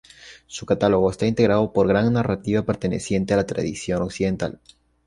Su catálogo está integrado por Gran Narrativa perteneciente a la tradición occidental.